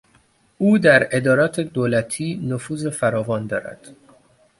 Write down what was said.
او در ادارات دولتی نفوذ فراوان دارد.